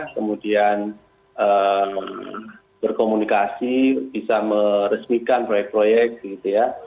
kemudian berkomunikasi bisa meresmikan proyek proyek gitu ya